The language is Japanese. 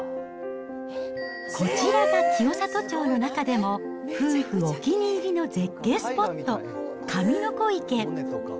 こちらが清里町の中でも、夫婦お気に入りの絶景スポット、神の子池。